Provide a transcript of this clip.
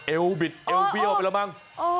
เอวบิดเอวเบี้ยออกไปแล้วมั้ง